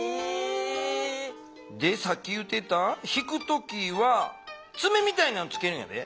さっき言うてたひく時はツメみたいなのつけるんやで。